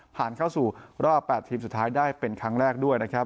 ผ่านเข้าสู่รอบ๘ทีมสุดท้ายได้เป็นครั้งแรกด้วยนะครับ